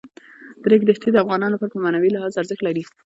د ریګ دښتې د افغانانو لپاره په معنوي لحاظ ارزښت لري.